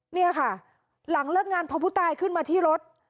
เนี่ยค่ะหลังเลิกงานพอผู้ตายขึ้นมาที่รถ